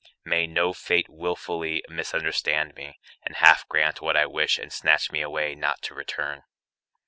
May no fate willfully misunderstand me And half grant what I wish and snatch me away Not to return.